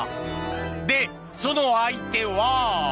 で、その相手は。